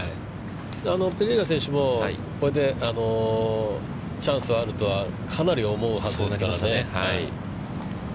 ペレイラ選手も、チャンスがあるとはかなり思うはずですからね。